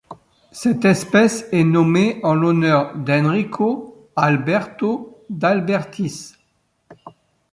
Cette espèce est nommée en l'honneur d'Enrico Alberto d'Albertis.